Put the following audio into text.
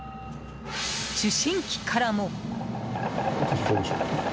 受信機からも。